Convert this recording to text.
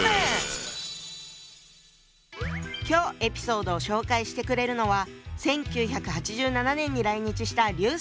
今日エピソードを紹介してくれるのは１９８７年に来日した劉さん。